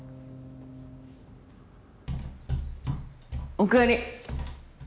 おかえり。